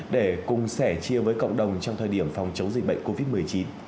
để cùng sẻ chia với cộng đồng trong thời điểm phòng chống dịch bệnh covid một mươi chín